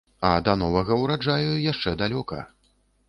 А да новага ўраджаю яшчэ далёка.